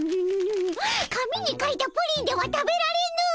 紙に書いたプリンでは食べられぬ！